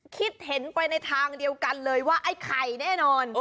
คิดเห็นไปในทางเดียวกันเลยว่าไอ้ไข่แน่นอน